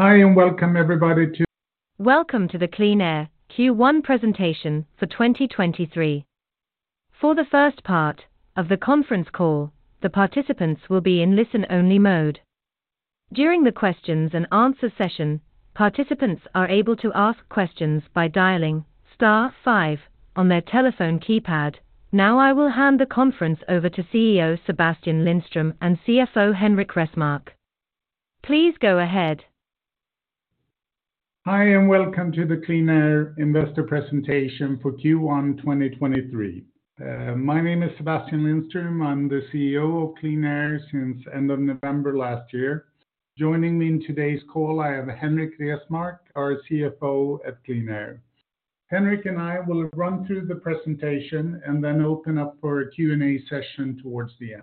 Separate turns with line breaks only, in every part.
Hi, welcome everybody.
Welcome to the QleanAir Q1 presentation for 2023. For the first part of the conference call, the participants will be in listen-only mode. During the questions and answer session, participants are able to ask questions by dialing star five on their telephone keypad. I will hand the conference over to CEO Sebastian Lindström and CFO Henrik Resmark. Please go ahead.
Hi, welcome to the QleanAir investor presentation for Q1 2023. My name is Sebastian Lindström. I'm the CEO of QleanAir since end of November last year. Joining me in today's call, I have Henrik Resmark, our CFO at QleanAir. Henrik and I will run through the presentation and then open up for a Q&A session towards the end.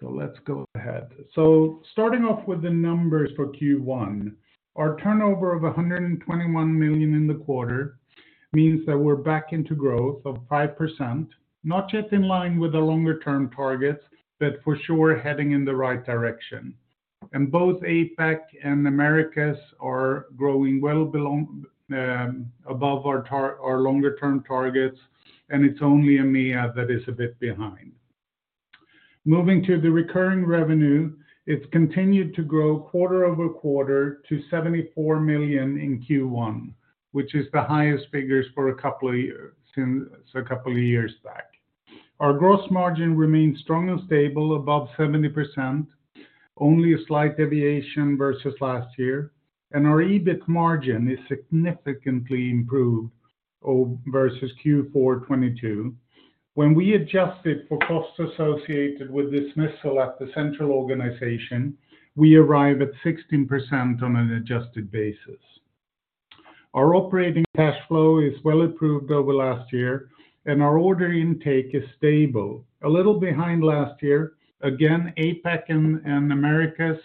Let's go ahead. Starting off with the numbers for Q1. Our turnover of 121 million in the quarter means that we're back into growth of 5%, not just in line with the longer term targets, but for sure heading in the right direction. Both APAC and Americas are growing well above our longer term targets, and it's only EMEA that is a bit behind. Moving to the recurring revenue, it's continued to grow quarter-over-quarter to 74 million in Q1, which is the highest figures since a couple of years back. Our gross margin remains strong and stable above 70%, only a slight deviation versus last year, and our EBIT margin is significantly improved versus Q4 2022. When we adjusted for costs associated with dismissal at the central organization, we arrive at 16% on an adjusted basis. Our operating cash flow is well approved over last year, and our order intake is stable. A little behind last year, again, APAC and Americas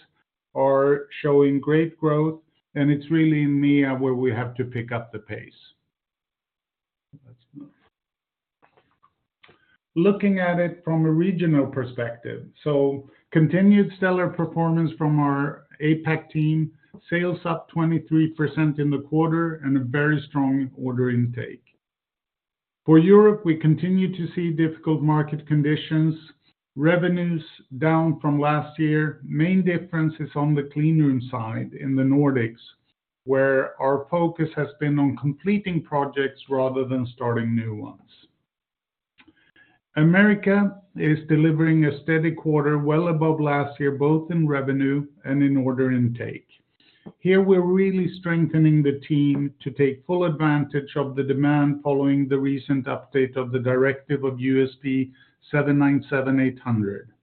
are showing great growth, and it's really EMEA where we have to pick up the pace. Let's move. Looking at it from a regional perspective. Continued stellar performance from our APAC team. Sales up 23% in the quarter and a very strong order intake. For Europe, we continue to see difficult market conditions. Revenues down from last year. Main difference is on the cleanroom side in the Nordics, where our focus has been on completing projects rather than starting new ones. Americas is delivering a steady quarter well above last year, both in revenue and in order intake. Here, we're really strengthening the team to take full advantage of the demand following the recent update of the directive of USP <797> and <800>.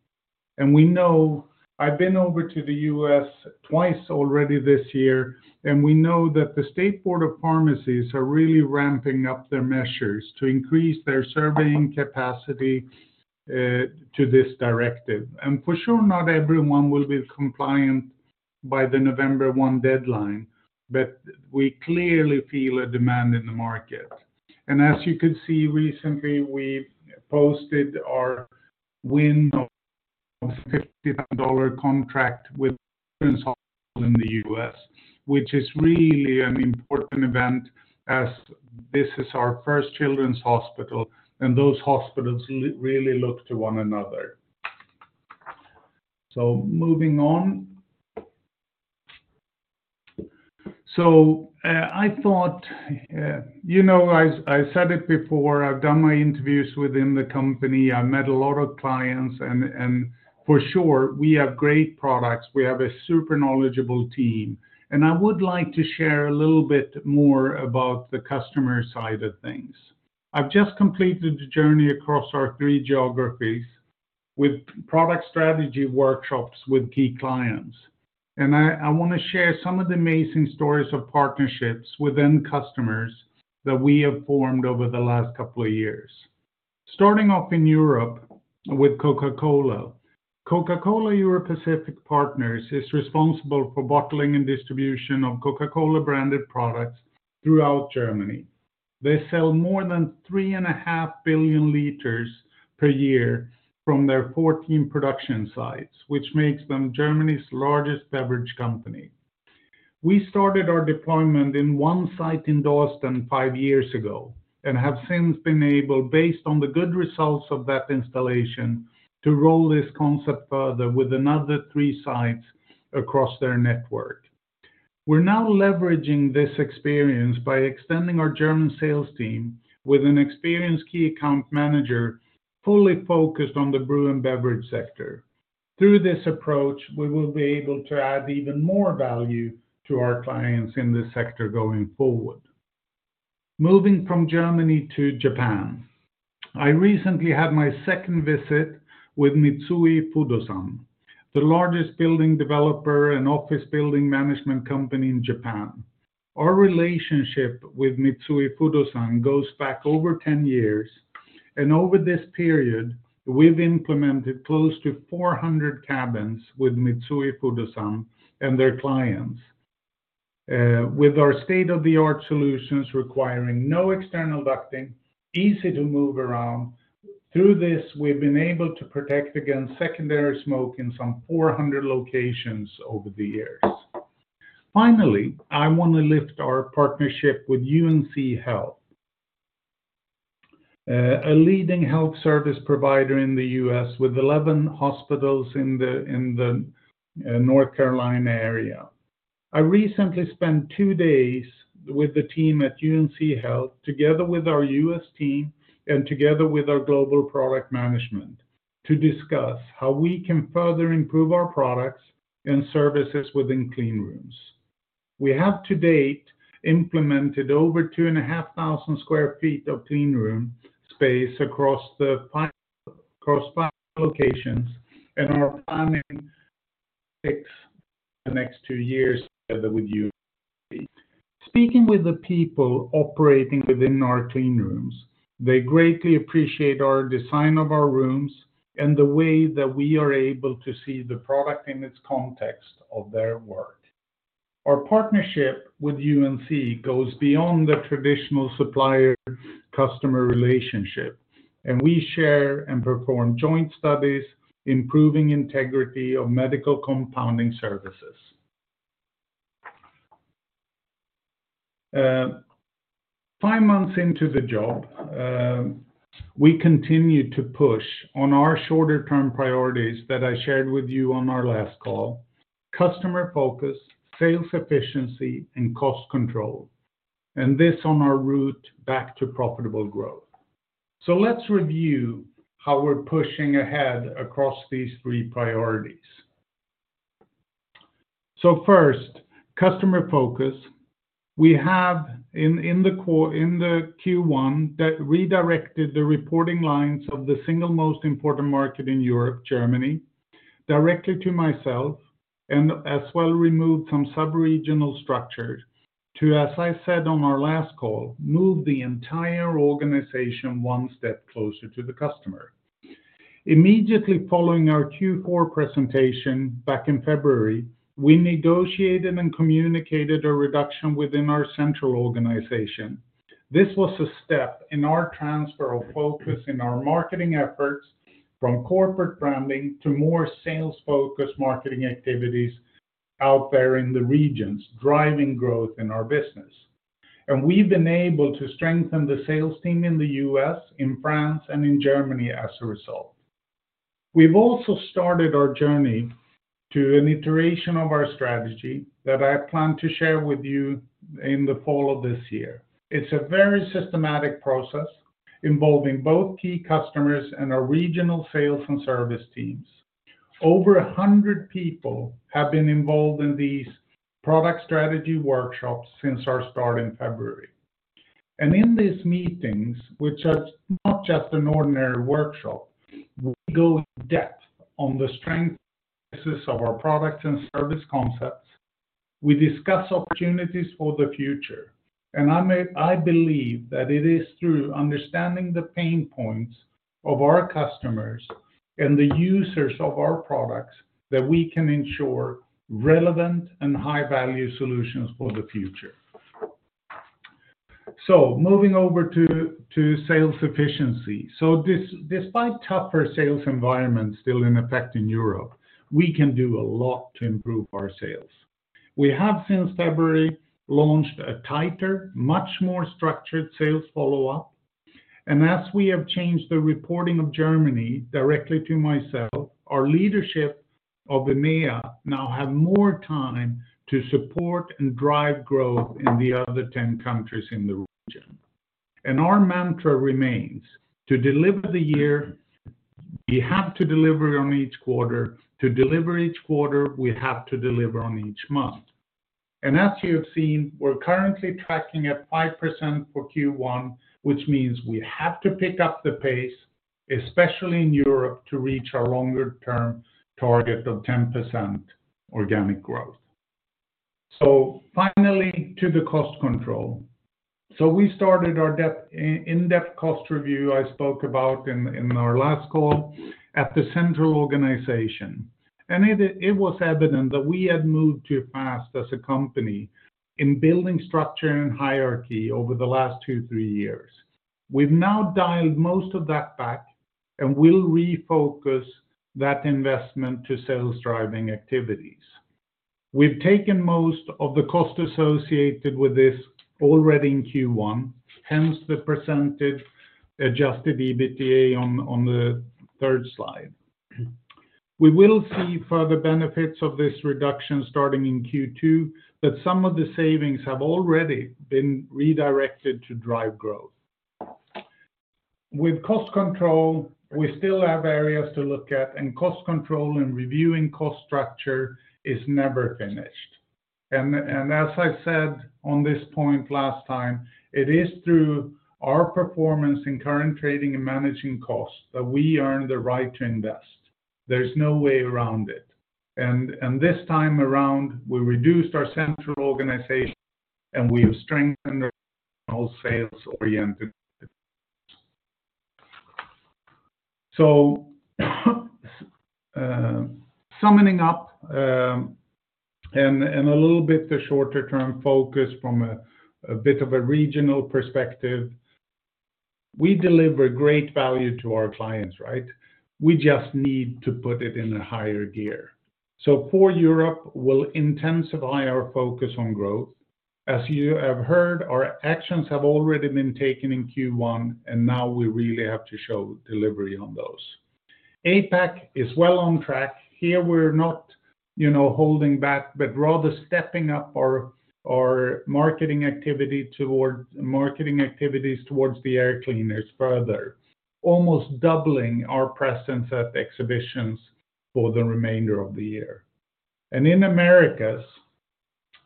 We know I've been over to the U.S. twice already this year, and we know that the State Board of Pharmacy are really ramping up their measures to increase their surveying capacity to this directive. For sure, not everyone will be compliant by the November 1 deadline, but we clearly feel a demand in the market. As you can see, recently, we posted our win of $50,000 contract with Children's Hospital in the US, which is really an important event as this is our first children's hospital, and those hospitals really look to one another. Moving on. I thought, you know, I said it before. I've done my interviews within the company. I met a lot of clients and for sure we have great products. We have a super knowledgeable team, and I would like to share a little bit more about the customer side of things. I've just completed a journey across our three geographies with product strategy workshops with key clients, and I want to share some of the amazing stories of partnerships within customers that we have formed over the last couple of years. Starting off in Europe with Coca-Cola. Coca-Cola Europacific Partners is responsible for bottling and distribution of Coca-Cola branded products throughout Germany. They sell more than 3.5 billion liters per year from their 14 production sites, which makes them Germany's largest beverage company. We started our deployment in one site in Dorsten five years ago and have since been able, based on the good results of that installation, to roll this concept further with another three sites across their network. We're now leveraging this experience by extending our German sales team with an experienced key account manager fully focused on the brew and beverage sector. Through this approach, we will be able to add even more value to our clients in this sector going forward. Moving from Germany to Japan. I recently had my second visit with Mitsui Fudosan, the largest building developer and office building management company in Japan. Our relationship with Mitsui Fudosan goes back over 10 years, and over this period, we've implemented close to 400 cabins with Mitsui Fudosan and their clients. With our state-of-the-art solutions requiring no external ducting, easy to move around. Through this, we've been able to protect against secondary smoke in some 400 locations over the years. Finally, I want to lift our partnership with UNC Health, a leading health service provider in the US with 11 hospitals in the North Carolina area. I recently spent two days with the team at UNC Health, together with our US team and together with our global product management to discuss how we can further improve our products and services within clean rooms. We have to date implemented over 2,500 sq ft of clean room space across five locations and are planning six the next two years together with UNC. Speaking with the people operating within our clean rooms, they greatly appreciate our design of our rooms and the way that we are able to see the product in its context of their work. Our partnership with UNC goes beyond the traditional supplier-customer relationship. We share and perform joint studies improving integrity of medical compounding services. Five months into the job, we continue to push on our shorter-term priorities that I shared with you on our last call: customer focus, sales efficiency, and cost control. This on our route back to profitable growth. Let's review how we're pushing ahead across these three priorities. First, customer focus. We have in the Q1 that redirected the reporting lines of the single most important market in Europe, Germany, directly to myself, and as well removed some subregional structures to, as I said on our last call, move the entire organization one step closer to the customer. Immediately following our Q4 presentation back in February, we negotiated and communicated a reduction within our central organization. This was a step in our transfer of focus in our marketing efforts from corporate branding to more sales-focused marketing activities out there in the regions, driving growth in our business. We've been able to strengthen the sales team in the US, in France, and in Germany as a result. We've also started our journey to an iteration of our strategy that I plan to share with you in the fall of this year. It's a very systematic process involving both key customers and our regional sales and service teams. Over 100 people have been involved in these product strategy workshops since our start in February. In these meetings, which are not just an ordinary workshop, we go in depth on the strength of our products and service concepts. We discuss opportunities for the future. I believe that it is through understanding the pain points of our customers and the users of our products that we can ensure relevant and high-value solutions for the future. Moving over to sales efficiency. Despite tougher sales environments still in effect in Europe, we can do a lot to improve our sales. We have since February launched a tighter, much more structured sales follow-up. As we have changed the reporting of Germany directly to myself, our leadership of EMEA now have more time to support and drive growth in the other 10 countries in the region. Our mantra remains: To deliver the year, we have to deliver on each quarter. To deliver each quarter, we have to deliver on each month. As you have seen, we're currently tracking at 5% for Q1, which means we have to pick up the pace, especially in Europe, to reach our longer-term target of 10% organic growth. Finally, to the cost control. We started our in-depth cost review I spoke about in our last call at the central organization, and it was evident that we had moved too fast as a company in building structure and hierarchy over the last two, three years. We've now dialed most of that back and will refocus that investment to sales-driving activities. We've taken most of the cost associated with this already in Q1, hence the % adjusted EBITDA on the third slide. We will see further benefits of this reduction starting in Q2, but some of the savings have already been redirected to drive growth. With cost control, we still have areas to look at, and cost control and reviewing cost structure is never finished. As I said on this point last time, it is through our performance in current trading and managing costs that we earn the right to invest. There's no way around it. This time around, we reduced our central organization, and we have strengthened our sales-oriented. Summ up, and a little bit the shorter term focus from a bit of a regional perspective, we deliver great value to our clients, right? We just need to put it in a higher gear. For Europe, we'll intensify our focus on growth. As you have heard, our actions have already been taken in Q1, and now we really have to show delivery on those. APAC is well on track. Here, we're not, you know, holding back, but rather stepping up our marketing activities towards the Air Cleaners further, almost doubling our presence at exhibitions for the remainder of the year. In Americas,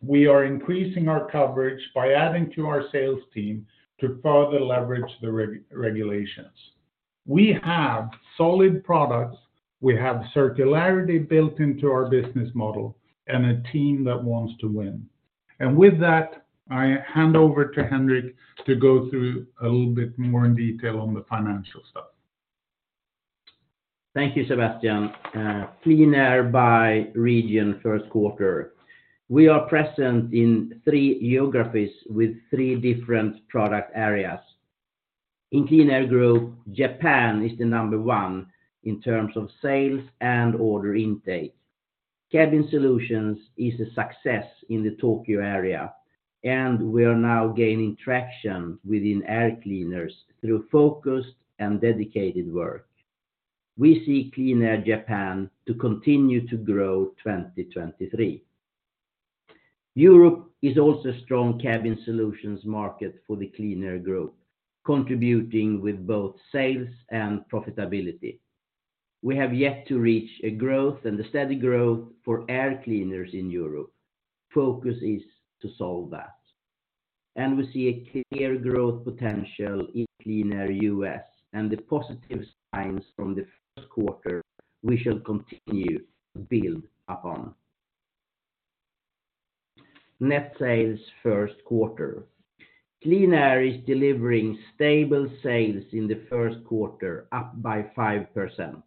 we are increasing our coverage by adding to our sales team to further leverage the regulations. We have solid products, we have circularity built into our business model, and a team that wants to win. With that, I hand over to Henrik to go through a little bit more in detail on the financial stuff.
Thank you, Sebastian. QleanAir by region first quarter. We are present in three geographies with three different product areas. In QleanAir Group, Japan is the number one in terms of sales and order intake. Cabin Solutions is a success in the Tokyo, and we are now gaining traction within Air Cleaners through focused and dedicated work. We see QleanAir Japan to continue to grow 2023. Europe is also a strong Cabin Solutions market for the QleanAir Group, contributing with both sales and profitability. We have yet to reach a growth and a steady growth for Air Cleaners in Europe. Focus is to solve that. We see a clear growth potential in QleanAir US, and the positive signs from the first quarter we shall continue to build upon. Net sales first quarter. QleanAir is delivering stable sales in the first quarter, up by 5%.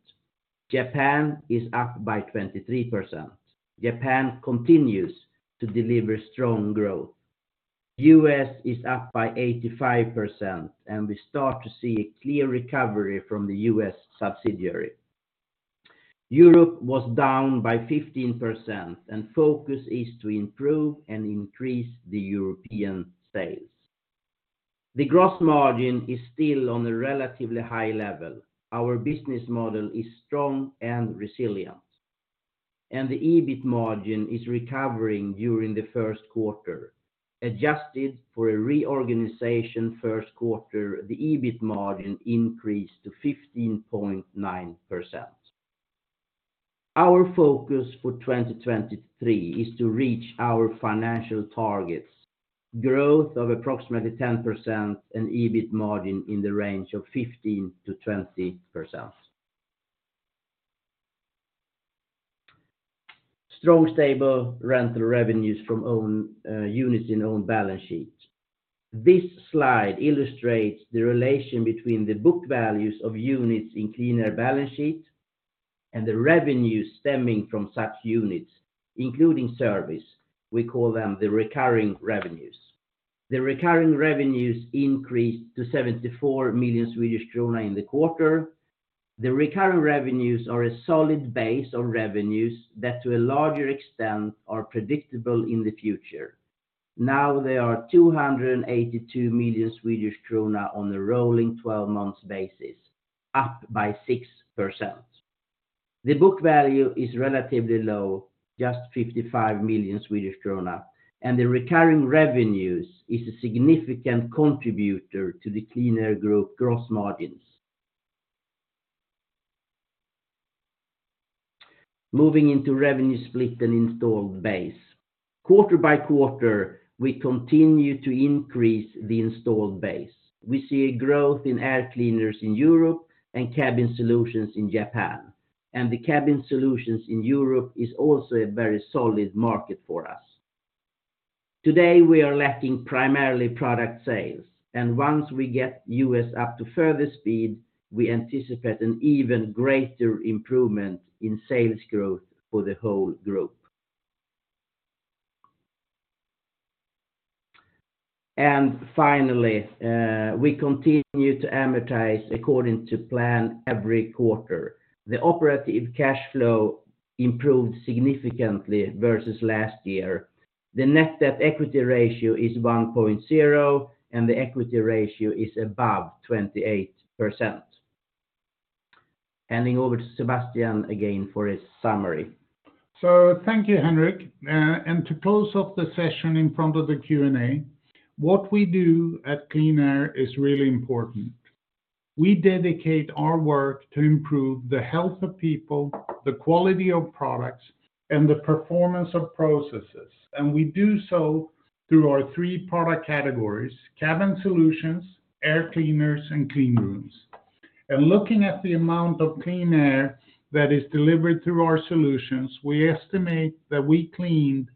Japan is up by 23%. Japan continues to deliver strong growth. U.S. is up by 85%, and we start to see a clear recovery from the U.S. subsidiary. Europe was down by 15%, and focus is to improve and increase the European sales. The gross margin is still on a relatively high level. Our business model is strong and resilient, and the EBIT margin is recovering during the first quarter. Adjusted for a reorganization first quarter, the EBIT margin increased to 15.9%. Our focus for 2023 is to reach our financial targets, growth of approximately 10% and EBIT margin in the range of 15%-20%. Strong, stable rental revenues from own units in own balance sheet. This slide illustrates the relation between the book values of units in QleanAir balance sheet and the revenues stemming from such units, including service. We call them the recurring revenues. The recurring revenues increased to 74 million Swedish krona in the quarter. The recurring revenues are a solid base of revenues that to a larger extent are predictable in the future. There are 282 million Swedish krona on a rolling twelve-month basis, up by 6%. The book value is relatively low, just 55 million Swedish krona, and the recurring revenues is a significant contributor to the QleanAir Group gross margins. Moving into revenue split and installed base. Quarter by quarter, we continue to increase the installed base. We see a growth in Air Cleaners in Europe and Cabin Solutions in Japan, and the Cabin Solutions in Europe is also a very solid market for us. Today, we are lacking primarily product sales, and once we get US up to further speed, we anticipate an even greater improvement in sales growth for the whole QleanAir Group. Finally, we continue to amortize according to plan every quarter. The operative cash flow improved significantly versus last year. The net debt/equity ratio is 1.0, and the equity ratio is above 28%. Handing over to Sebastian again for a summary.
Thank you, Henrik. To close off the session in front of the Q&A, what we do at QleanAir is really important. We dedicate our work to improve the health of people, the quality of products, and the performance of processes, and we do so through our three product categories: Cabin Solutions, Air Cleaners, and Cleanrooms. Looking at the amount of clean air that is delivered through our solutions, we estimate that we cleaned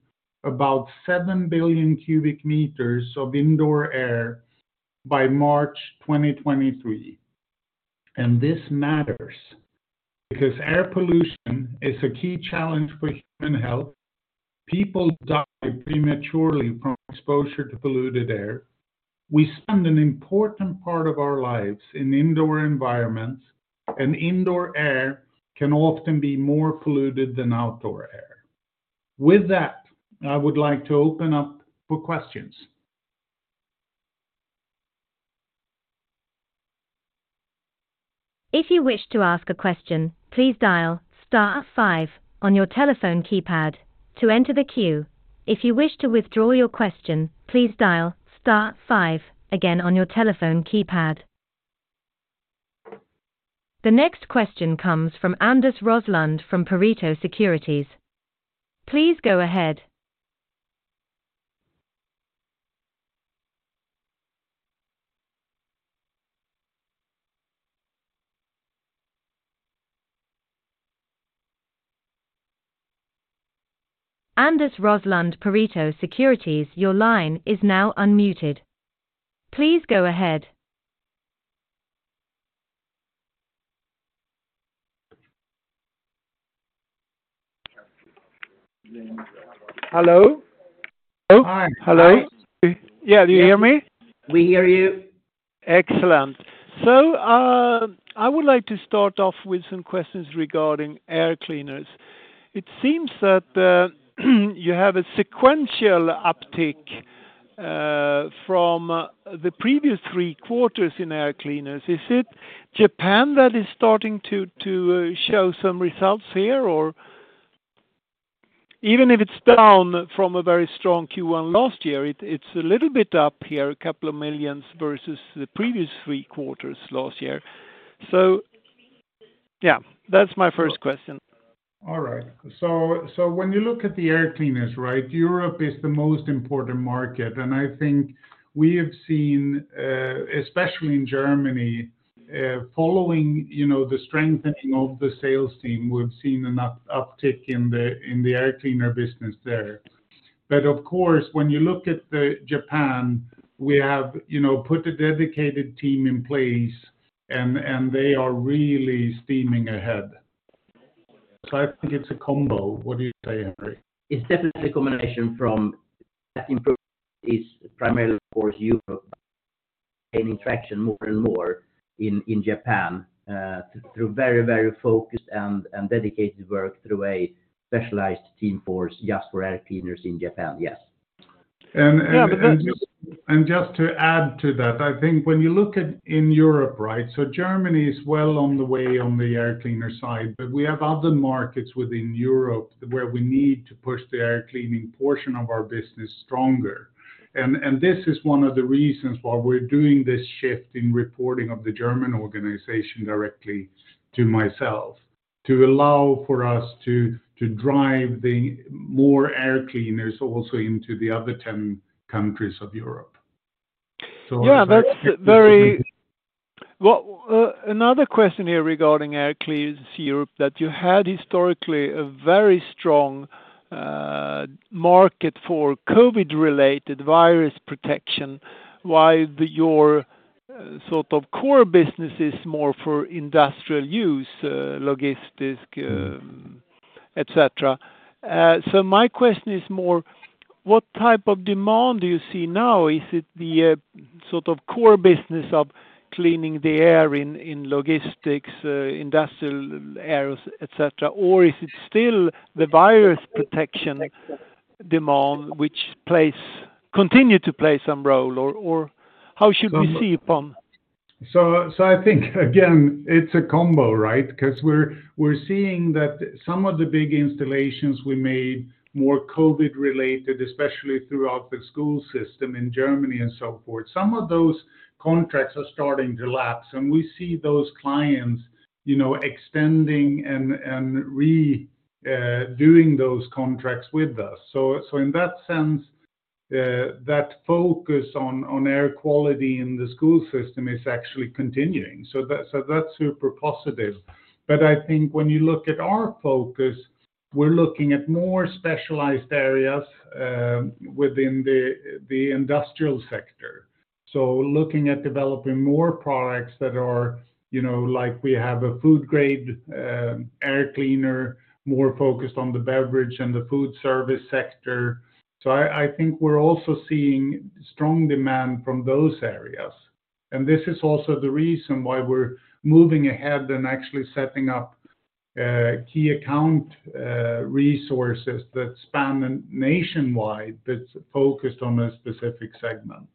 about 7 billion cubic meters of indoor air by March 2023. This matters because air pollution is a key challenge for human health. People die prematurely from exposure to polluted air. We spend an important part of our lives in indoor environments, and indoor air can often be more polluted than outdoor air. With that, I would like to open up for questions.
If you wish to ask a question, please dial star five on your telephone keypad to enter the queue. If you wish to withdraw your question, please dial star five again on your telephone keypad. The next question comes from Anders Roslund from Pareto Securities. Please go ahead. Anders Roslund, Pareto Securities, your line is now unmuted. Please go ahead.
Hello?
Hi.
Hello. Yeah. Do you hear me?
We hear you.
Excellent. I would like to start off with some questions regarding Air Cleaners. It seems that you have a sequential uptick from the previous three quarters in Air Cleaners. Is it Japan that is starting to show some results here? Even if it's down from a very strong Q1 last year, it's a little bit up here, a couple of million versus the previous three quarters last year. Yeah, that's my first question.
When you look at the Air Cleaners, right, Europe is the most important market. I think we have seen, especially in Germany, following, you know, the strengthening of the sales team, we've seen an uptick in the Air Cleaners business there. Of course, when you look at the Japan, we have, you know, put a dedicated team in place and they are really steaming ahead. I think it's a combo. What do you say, Henrik? It's definitely a combination from that improvement is primarily, of course, Europe gaining traction more and more in Japan, through very, very focused and dedicated work through a specialized team force just for Air Cleaners in Japan. Yes.
Yeah.
Just to add to that, I think when you look at in Europe, right? Germany is well on the way on the air cleaner side. We have other markets within Europe where we need to push the air cleaning portion of our business stronger. This is one of the reasons why we're doing this shift in reporting of the German organization directly to myself, to allow for us to drive the more air cleaners also into the other 10 countries of Europe.
Yeah, that's very. Well, another question here regarding Air Cleaners Europe, that you had historically a very strong market for COVID-related virus protection, while your sort of core business is more for industrial use, logistic, et cetera. My question is more what type of demand do you see now? Is it the sort of core business of cleaning the air in logistics, industrial areas, et cetera? Or is it still the virus protection demand which continue to play some role, or how should we see it, Pam?
I think again, it's a combo, right? 'Cause we're seeing that some of the big installations we made more COVID-related, especially throughout the school system in Germany and so forth, some of those contracts are starting to lapse. We see those clients, you know, extending and doing those contracts with us. In that sense, that focus on air quality in the school system is actually continuing. That's super positive. I think when you look at our focus, we're looking at more specialized areas within the industrial sector. Looking at developing more products that are, you know, like we have a Food Grade Air Cleaner, more focused on the beverage and the food service sector. I think we're also seeing strong demand from those areas. This is also the reason why we're moving ahead and actually setting up key account resources that span nationwide, that's focused on a specific segment.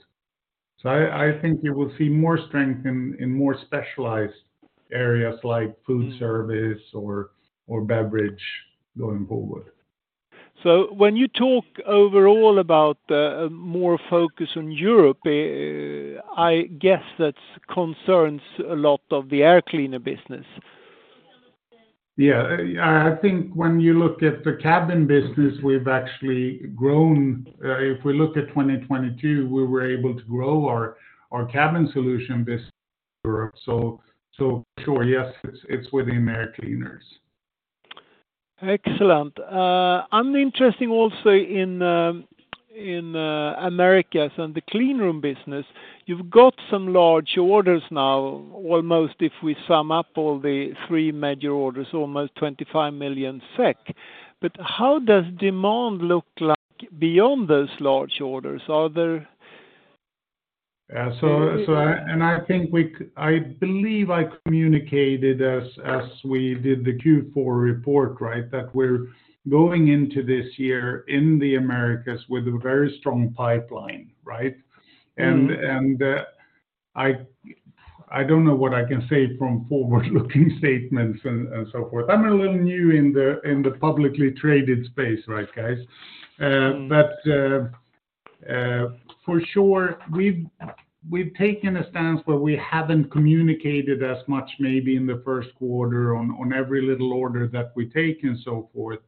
I think you will see more strength in more specialized areas like food service or beverage going forward.
When you talk overall about more focus on Europe, I guess that concerns a lot of the Air Cleaners business.
Yeah. I think when you look at the cabin business, we've actually grown. If we look at 2022, we were able to grow our Cabin Solutions business. Sure, yes, it's with the Americas.
Excellent. I'm interesting also in Americas and the Cleanroom business, you've got some large orders now, almost if we sum up all the three major orders, almost 25 million SEK. How does demand look like beyond those large orders?
Yeah. So, I believe I communicated as we did the Q4 report, right? That we're going into this year in the Americas with a very strong pipeline, right?
Mm.
I don't know what I can say from forward-looking statements and so forth. I'm a little new in the publicly traded space, right, guys?
Mm.
For sure we've taken a stance where we haven't communicated as much maybe in the first quarter on every little order that we take and so forth.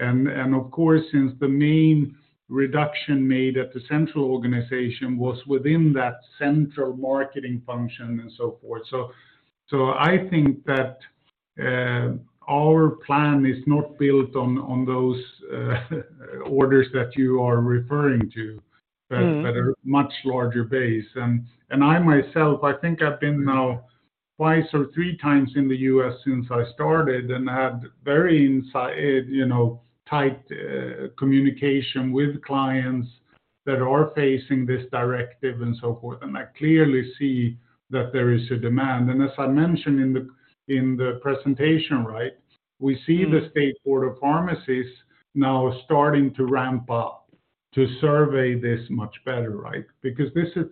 Of course, since the main reduction made at the central organization was within that central marketing function and so forth. I think that our plan is not built on those orders that you are referring to.
Mm.
But a much larger base. I myself, I think I've been now twice or three times in the US since I started, and had very you know, tight communication with clients that are facing this directive and so forth. I clearly see that there is a demand. As I mentioned in the presentation, right.
Mm
We see the State Board of Pharmacy now starting to ramp up to survey this much better, right? Because this is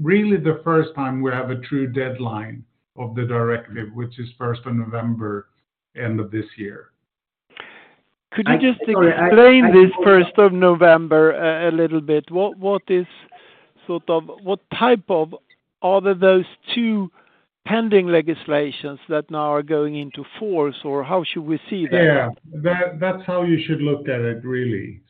really the first time we have a true deadline of the directive, which is 1st of November, end of this year.
Could you.
Sorry, I....
explain this 1st of November a little bit? What is sort of, what type of either those two pending legislations that now are going into force, or how should we see that one?
Yeah. That's how you should look at it really.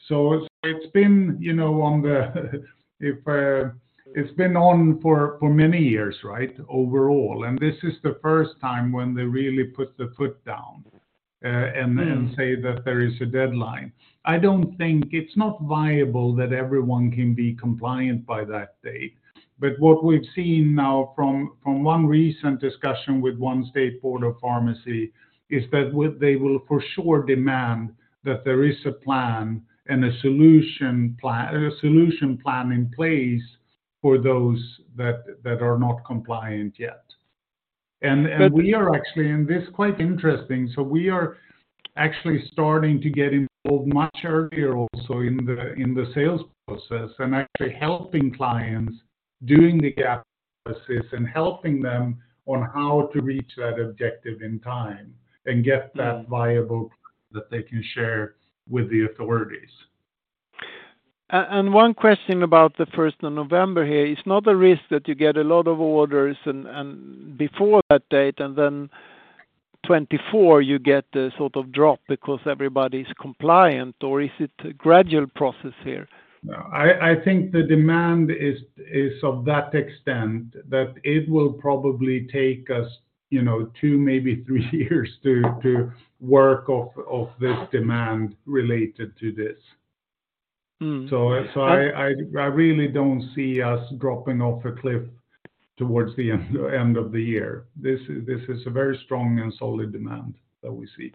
It's been, you know, on the, if, it's been on for many years, right, overall. This is the first time when they really put the foot down.
Mm
Say that there is a deadline. I don't think it's not viable that everyone can be compliant by that date. What we've seen now from one recent discussion with one State Board of Pharmacy is that they will for sure demand that there is a plan and a solution plan in place for those that are not compliant yet. We are actually, and this quite interesting, we are actually starting to get involved much earlier also in the sales process, and actually helping clients doing the gap analysis and helping them on how to reach that objective in time and get that viable that they can share with the authorities.
One question about the 1st of November here. It's not a risk that you get a lot of orders and before that date, and then 2024 you get a sort of drop because everybody's compliant, or is it a gradual process here?
No, I think the demand is of that extent that it will probably take us, you know, two, maybe three years to work off this demand related to this.
Mm.
I really don't see us dropping off a cliff towards the end of the year. This is a very strong and solid demand that we see.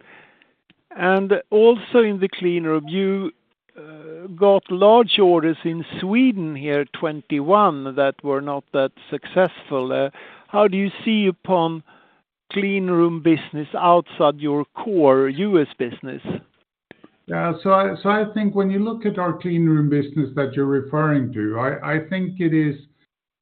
Also in the Cleanroom, you got large orders in Sweden here, 2021, that were not that successful. How do you see upon Cleanroom business outside your core US business?
I, so I think when you look at our Cleanrooms business that you're referring to, I think it is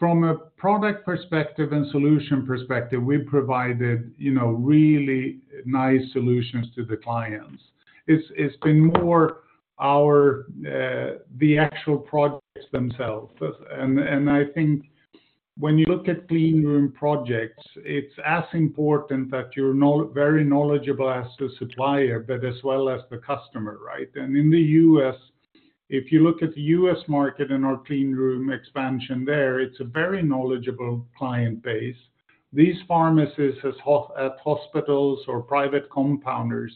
from a product perspective and solution perspective, we provided, you know, really nice solutions to the clients. It's been more our the actual projects themselves. I think when you look at Cleanrooms projects, it's as important that you're very knowledgeable as the supplier, but as well as the customer, right? In the U.S., if you look at the U.S. market and our Cleanrooms expansion there, it's a very knowledgeable client base. These pharmacists has at hospitals or private compounders,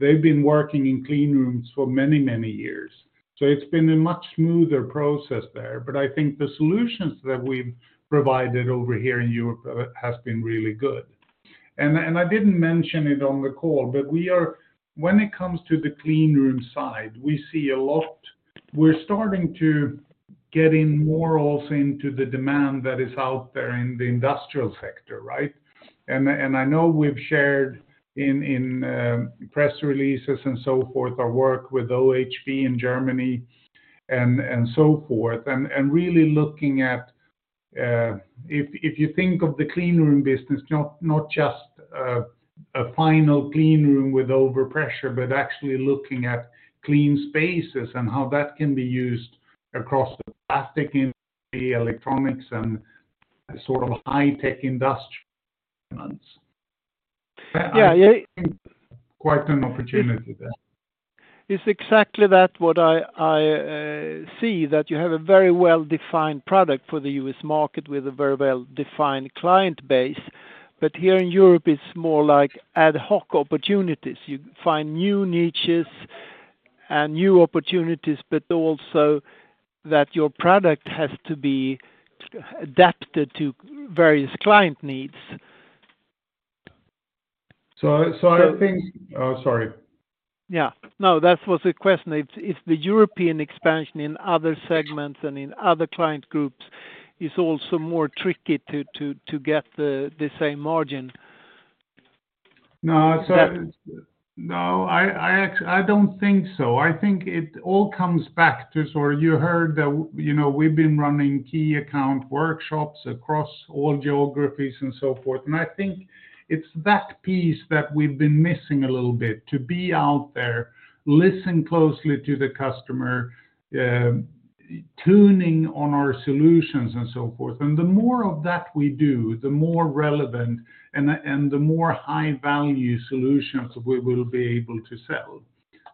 they've been working in Cleanrooms for many, many years. It's been a much smoother process there. I think the solutions that we've provided over here in Europe has been really good. I didn't mention it on the call, but we are, when it comes to the cleanroom side, we see a lot, we're starting to get in more also into the demand that is out there in the industrial sector, right? I know we've shared in press releases and so forth, our work with OHB in Germany and so forth. Really looking at, if you think of the cleanroom business, not just a final cleanroom with overpressure, but actually looking at clean spaces and how that can be used across the plastic industry, electronics, and sort of high-tech industrial plants.
Yeah, yeah.
I think quite an opportunity there.
It's exactly that what I see that you have a very well-defined product for the US market with a very well-defined client base. Here in Europe, it's more like ad hoc opportunities. You find new niches and new opportunities, but also that your product has to be adapted to various client needs.
I think. Oh, sorry.
Yeah. No, that was the question. If the European expansion in other segments and in other client groups is also more tricky to get the same margin?
No.
That-
I don't think so. I think it all comes back to... You heard that, you know, we've been running key account workshops across all geographies and so forth, and I think it's that piece that we've been missing a little bit, to be out there, listen closely to the customer, tuning on our solutions and so forth. The more of that we do, the more relevant and the more high value solutions we will be able to sell.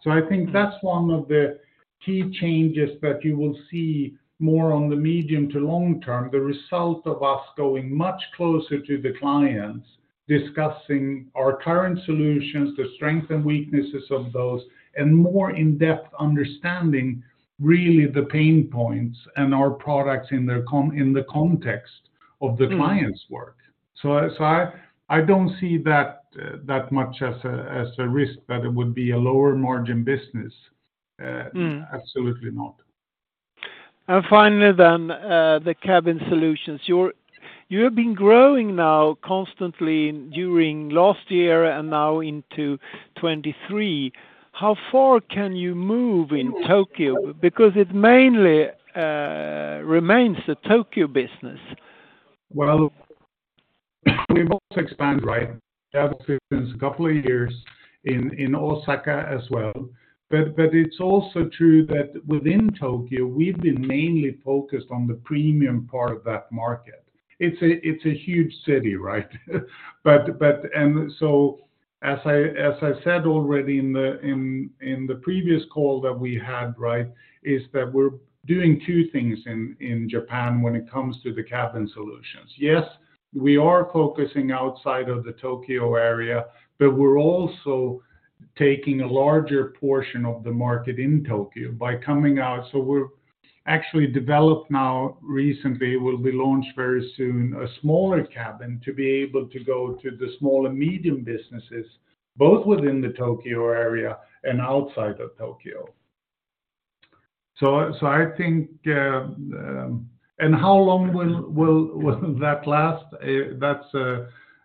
I think that's one of the key changes that you will see more on the medium to long term, the result of us going much closer to the clients, discussing our current solutions, the strength and weaknesses of those, and more in-depth understanding really the pain points and our products in the context of the client's work.
Mm.
I don't see that much as a risk that it would be a lower margin business.
Mm.
Absolutely not.
Finally then, the Cabin Solutions. You have been growing now constantly during last year and now into 2023. How far can you move in Tokyo? Because it mainly remains a Tokyo business.
Well, we've also expanded, right? We have since a couple of years in Osaka as well. It's also true that within Tokyo, we've been mainly focused on the premium part of that market. It's a huge city, right? As I said already in the previous call that we had, right, is that we're doing two things in Japan when it comes to the Cabin Solutions. Yes, we are focusing outside of the Tokyo area, but we're also taking a larger portion of the market in Tokyo by coming out. We're actually developed now recently, will be launched very soon, a smaller cabin to be able to go to the small and medium businesses, both within the Tokyo area and outside of Tokyo. I think. How long will that last? That's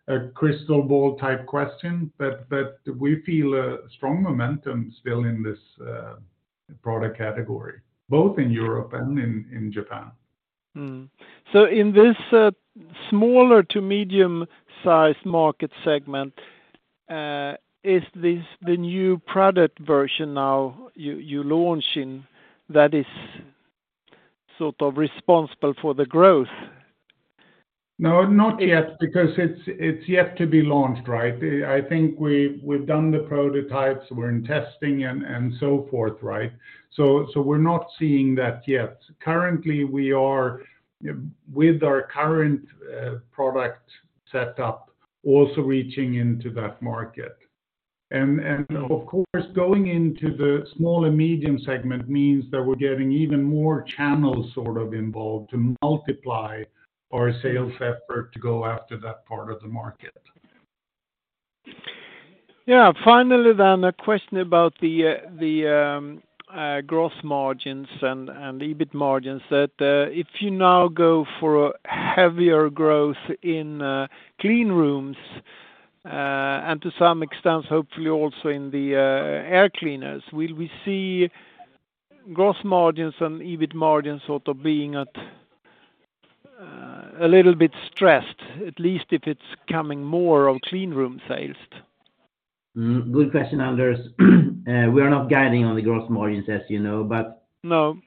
a crystal ball type question, but we feel a strong momentum still in this product category, both in Europe and in Japan.
In this smaller to medium size market segment, is this the new product version now you're launching that is sort of responsible for the growth?
No, not yet, because it's yet to be launched, right? I think we've done the prototypes, we're in testing and so forth, right? We're not seeing that yet. Currently, we are with our current product set up, also reaching into that market. Of course, going into the small and medium segment means that we're getting even more channels sort of involved to multiply our sales effort to go after that part of the market.
Yeah. Finally, a question about the gross margins and EBIT margins that if you now go for heavier growth in Cleanrooms and to some extent, hopefully also in the Air Cleaners, will we see gross margins and EBIT margins sort of being at a little bit stressed, at least if it's coming more of Cleanroom sales?
Good question, Anders. We are not guiding on the gross margins, as you know.
No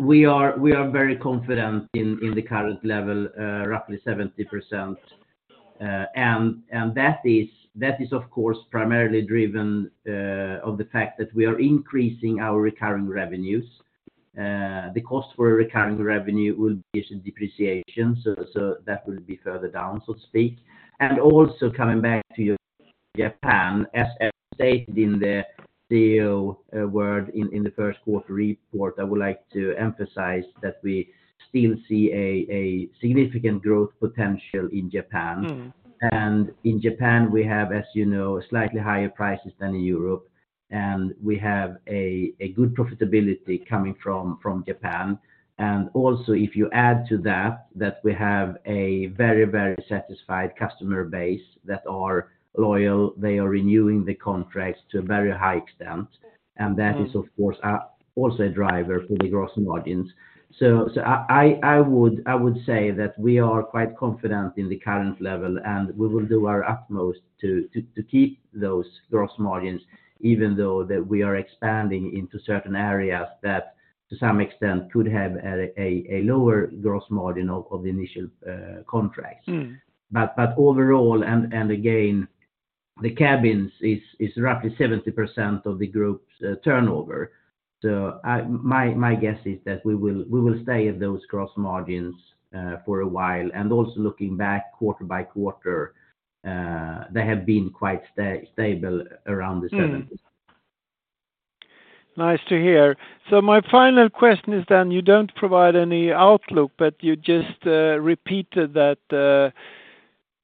We are very confident in the current level, roughly 70%. That is, of course, primarily driven of the fact that we are increasing our recurring revenues. The cost for a recurring revenue will be depreciation. That will be further down, so to speak. Also coming back to Japan, as stated in the CEO word in the first quarter report, I would like to emphasize that we still see a significant growth potential in Japan.
Mm.
In Japan, we have, as you know, slightly higher prices than in Europe, and we have a good profitability coming from Japan. Also if you add to that we have a very satisfied customer base that are loyal, they are renewing the contracts to a very high extent.
Mm.
That is, of course, also a driver for the gross margins. I would say that we are quite confident in the current level, and we will do our utmost to keep those gross margins, even though that we are expanding into certain areas that to some extent could have a lower gross margin of the initial contracts.
Mm.
overall and again.
The cabins is roughly 70% of the group's turnover. My guess is that we will stay at those gross margins for a while. Also looking back quarter by quarter, they have been quite stable around the seventies.
Nice to hear. My final question is then you don't provide any outlook, but you just repeated that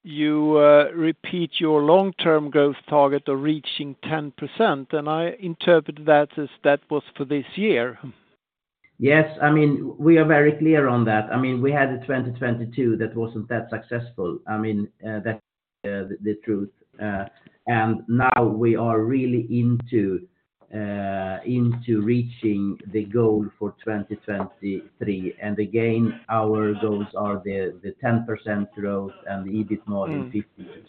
you repeat your long-term growth target of reaching 10%, and I interpreted that as that was for this year.
Yes. I mean, we are very clear on that. I mean, we had a 2022 that wasn't that successful. I mean, that's the truth. Now we are really into reaching the goal for 2023. Again, our goals are the 10% growth and the EBIT margin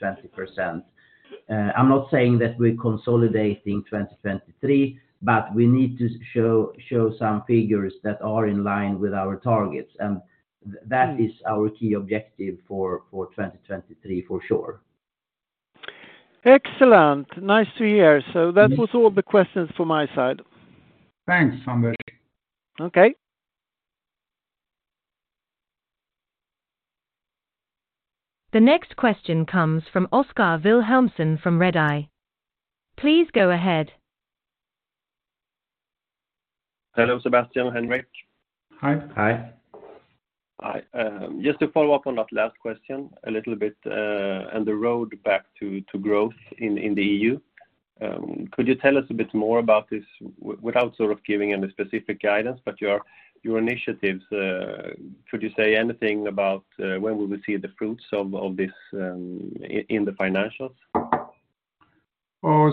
50%-20%. I'm not saying that we're consolidating 2023, we need to show some figures that are in line with our targets, that is our key objective for 2023 for sure.
Excellent. Nice to hear. That was all the questions from my side.
Thanks, Anders.
Okay.
The next question comes from Oskar Vilhelmsson from Redeye. Please go ahead.
Hello, Sebastian, Henrik.
Hi.
Hi.
Hi. Just to follow up on that last question a little bit, and the road back to growth in the EU, could you tell us a bit more about this without sort of giving any specific guidance, but your initiatives, could you say anything about when will we see the fruits of this in the financials?
Oh,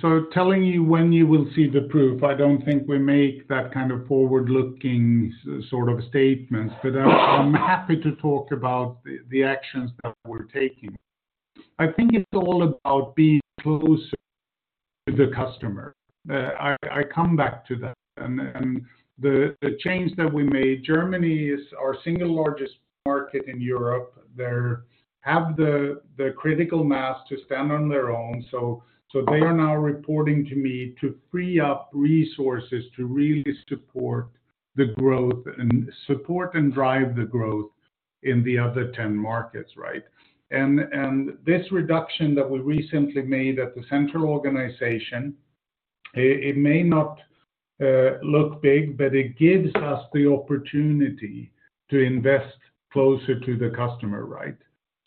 so telling you when you will see the proof, I don't think we make that kind of forward-looking sort of statements. I'm happy to talk about the actions that we're taking. I think it's all about being closer to the customer. I come back to that and the change that we made, Germany is our single largest market in Europe. They have the critical mass to stand on their own, so they are now reporting to me to free up resources to really support the growth and drive the growth in the other 10 markets, right? This reduction that we recently made at the central organization, it may not look big, but it gives us the opportunity to invest closer to the customer, right?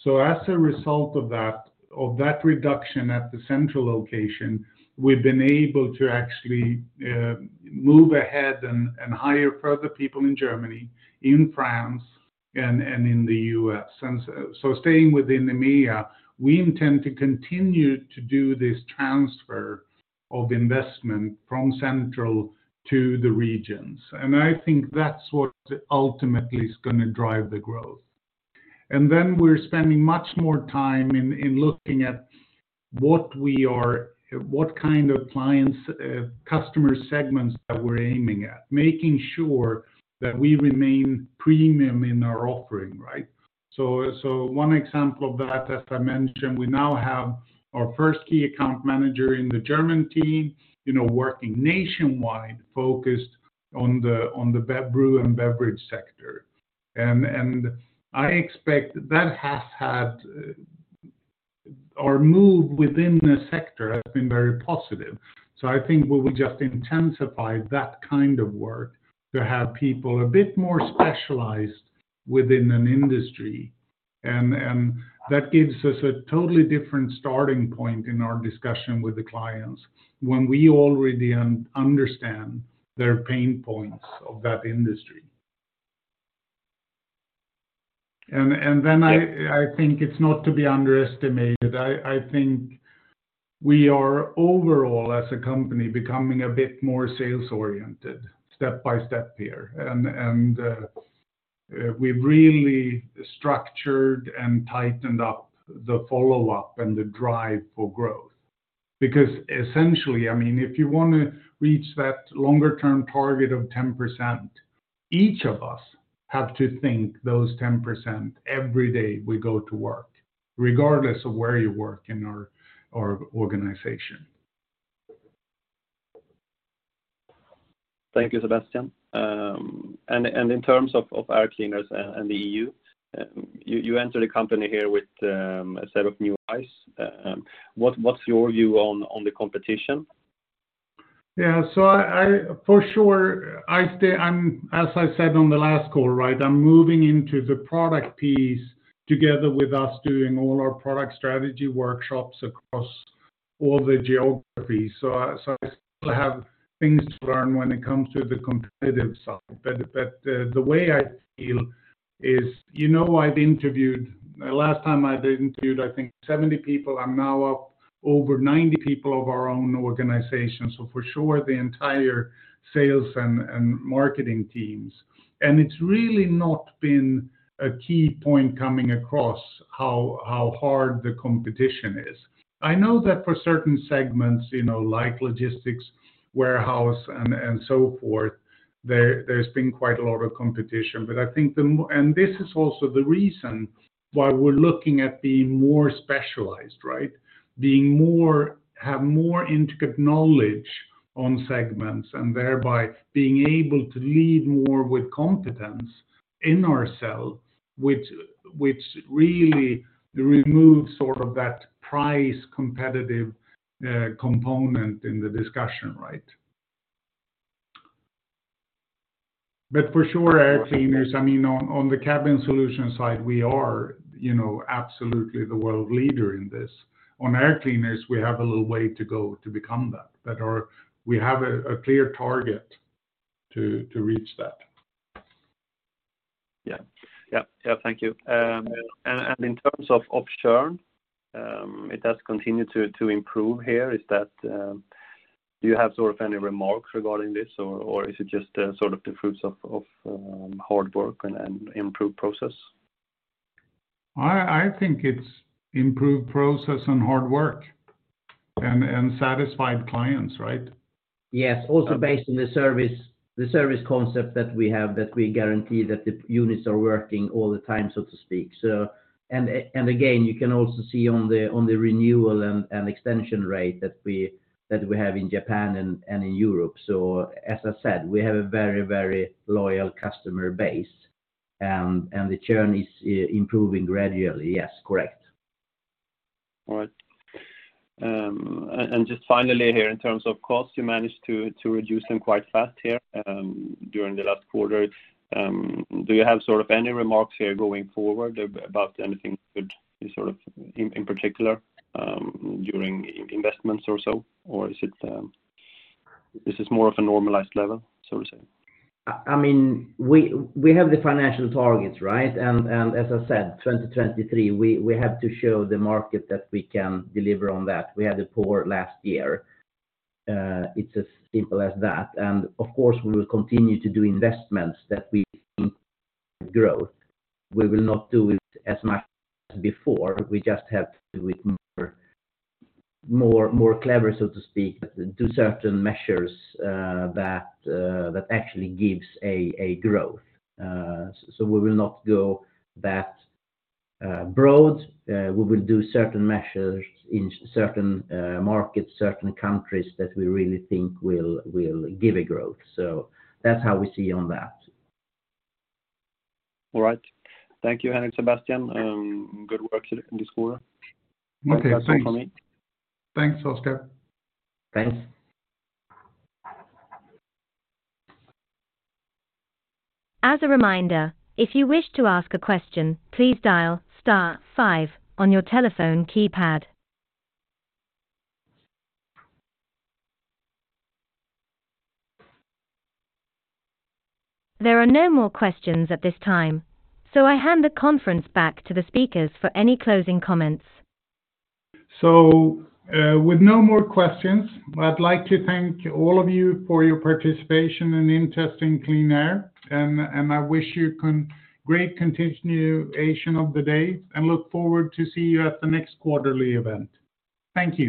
As a result of that, of that reduction at the central location, we've been able to actually move ahead and hire further people in Germany, in France and in the US. Staying within the MEA, we intend to continue to do this transfer of investment from central to the regions. I think that's what ultimately is gonna drive the growth. Then we're spending much more time in looking at what kind of clients, customer segments that we're aiming at, making sure that we remain premium in our offering, right? One example of that, as I mentioned, we now have our first key account manager in the German team, you know, working nationwide, focused on the brew and beverage sector. I expect that has had our move within the sector has been very positive. I think we will just intensify that kind of work to have people a bit more specialized within an industry and that gives us a totally different starting point in our discussion with the clients when we already understand their pain points of that industry. Then
Yeah...
I think it's not to be underestimated. I think we are overall as a company becoming a bit more sales-oriented step by step here. We've really structured and tightened up the follow-up and the drive for growth. Essentially, I mean, if you wanna reach that longer term target of 10%, each of us have to think those 10% every day we go to work, regardless of where you work in our organization.
Thank you, Sebastian. In terms of Air Cleaners and the EU, you entered the company here with a set of new eyes. What's your view on the competition?
I for sure, I'm as I said on the last call, right, I'm moving into the product piece together with us doing all our product strategy workshops across all the geographies. I still have things to learn when it comes to the competitive side. The way I feel is, you know, Last time I've interviewed, I think 70 people. I'm now up over 90 people of our own organization. For sure the entire sales and marketing teams. It's really not been a key point coming across how hard the competition is. I know that for certain segments, you know, like logistics, warehouse and so forth, there's been quite a lot of competition. I think this is also the reason why we're looking at being more specialized, right? Have more intricate knowledge on segments and thereby being able to lead more with competence in ourselves which really removes sort of that price competitive component in the discussion, right? For sure, Air Cleaners, I mean, on the Cabin Solutions side, we are, you know, absolutely the world leader in this. On Air Cleaners, we have a little way to go to become that, but we have a clear target to reach that.
Yeah. Yep. Yeah, thank you. In terms of ops churn, it does continue to improve here. Is that, do you have sort of any remarks regarding this, or is it just, sort of the fruits of, hard work and improved process?
I think it's improved process and hard work, and satisfied clients, right?
Yes. Also based on the service, the service concept that we have, that we guarantee that the units are working all the time, so to speak. Again, you can also see on the renewal and extension rate that we have in Japan and in Europe. As I said, we have a very, very loyal customer base, and the churn is improving gradually. Yes, correct.
All right. Just finally here in terms of costs, you managed to reduce them quite fast here, during the last quarter. Do you have sort of any remarks here going forward about anything that could be sort of in particular, during investments or so? Or is it, this is more of a normalized level, so to say?
I mean, we have the financial targets, right? As I said, 2023, we have to show the market that we can deliver on that. We had a poor last year. It's as simple as that. Of course, we will continue to do investments that we think growth. We will not do it as much as before. We just have to do it more clever, so to speak, do certain measures that actually gives a growth. We will not go that broad. We will do certain measures in certain markets, certain countries that we really think will give a growth. That's how we see on that.
All right. Thank you, Henrik, Sebastian. Good work this quarter.
Okay, thanks.
That's all for me.
Thanks, Oskar.
Thanks.
As a reminder, if you wish to ask a question, please dial star five on your telephone keypad. There are no more questions at this time, so I hand the conference back to the speakers for any closing comments.
With no more questions, I'd like to thank all of you for your participation and interest in QleanAir, and I wish you great continuation of the day, look forward to see you at the next quarterly event. Thank you.